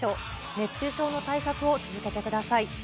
熱中症の対策を続けてください。